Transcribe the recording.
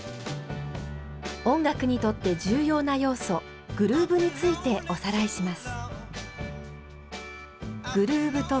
音楽にとって重要な要素グルーブについておさらいします。